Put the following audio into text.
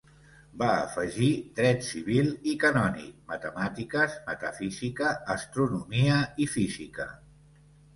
Va afegir dret civil i canònic, matemàtiques, metafísica, astronomia i física.